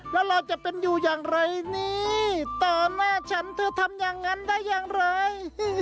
แล้วเราจะเป็นอยู่อย่างไรนี่ต่อหน้าฉันเธอทำอย่างนั้นได้อย่างไร